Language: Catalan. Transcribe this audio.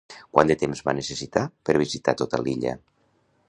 Quant de temps va necessitar per visitar tota l'illa?